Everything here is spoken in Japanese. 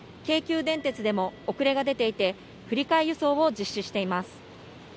京急電鉄でも遅れが出ていて、振り替え輸送を実施しています。